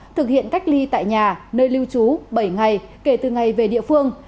thực hiện cách ly tại nhà nơi lưu trú bảy ngày kể từ ngày về địa phương